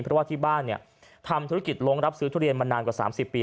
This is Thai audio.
เพราะที่บ้านทรงลงรักษือทุเรียนมานานกว่า๓๐ปี